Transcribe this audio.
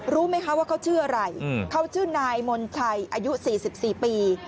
รู้ไหมคะว่าเขาชื่ออะไรอืมเขาชื่อนายมนต์ชัยอายุสี่สิบสี่ปี